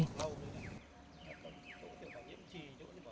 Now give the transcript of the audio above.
chúng tôi sẽ phải yếm chì